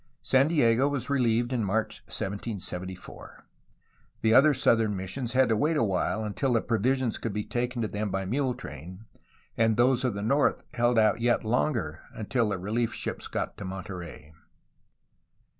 San Diego was relieved in March 1774. The other southern missions had to wait a while until the provisions could be taken to them by mule train, and those of the north held out yet longer until the relief ships got to Monterey.